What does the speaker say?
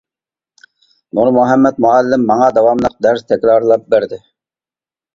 نۇرمۇھەممەت مۇئەللىم ماڭا داۋاملىق دەرس تەكرارلاپ بەردى.